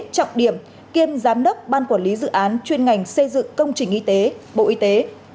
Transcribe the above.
trọng điểm kiêm giám đốc ban quản lý dự án chuyên ngành xây dựng công trình y tế bộ y tế